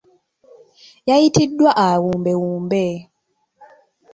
Yayitiddwa awumbewumbe.